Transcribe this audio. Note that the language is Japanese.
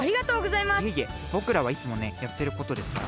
いえいえぼくらはいつもねやってることですから。